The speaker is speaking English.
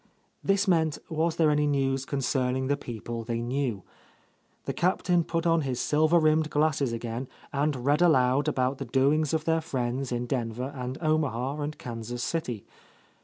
This meant was there any news concerning the people they knew. The Captain put on his silver rimmed glasses again and read aloud about the doings of their friends in Denver and Omaha and Kansas City.